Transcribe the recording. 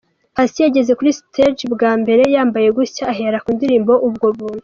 Patient yageze kuri stage bwa mbere yambaye gutya ahera ku ndirimbo "Ubwo buntu".